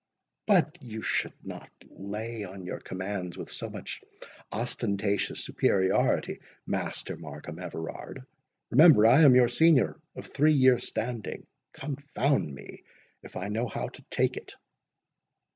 "But you should not lay on your commands with so much ostentatious superiority, Master Markham Everard. Remember, I am your senior of three years' standing. Confound me, if I know how to take it!"